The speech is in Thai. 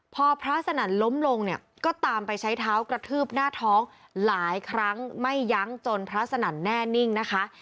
พอพระสนั่นล้มลงเนี่ยก็ตามไปใช้เท้ากระทืบหน้าท้องหลายครั้งไม่ยั้งจนพระสนั่นแน่นิ่งนะคะ